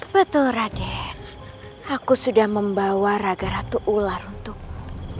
betul raden aku sudah membawa raga rata ular untukmu